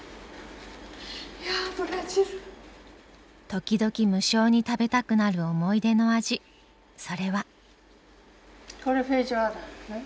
時々無性に食べたくなる思い出の味それは。